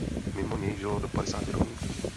Mimo něj žilo do padesáti rolníků.